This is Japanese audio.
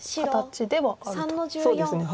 そうですね。